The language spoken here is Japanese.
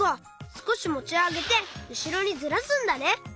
すこしもちあげてうしろにずらすんだね。